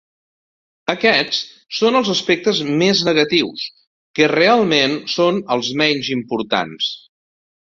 Aquests són els aspectes més negatius, que realment són els menys importants.